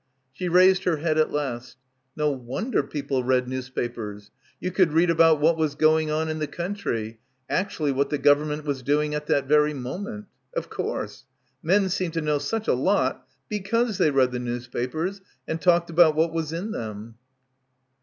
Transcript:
She raised her head at last. No wonder people read newspapers. You could read about what was going on in the country, actually what the Government was doing at that very moment. Of course ; men seemed to know such a lot because they read the newspapers and talked about what was in them.